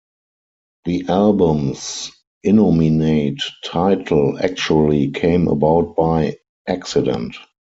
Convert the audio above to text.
The album's innominate title actually came about by accident.